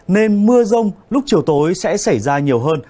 nên mưa rông lúc chiều tối sẽ xảy ra nhiều hơn